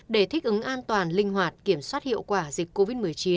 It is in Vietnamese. để thích ứng an toàn linh hoạt kiểm soát hiệu quả dịch covid một mươi chín